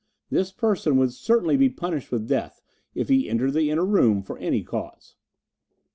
This person would certainly be punished with death if he entered the inner room from any cause."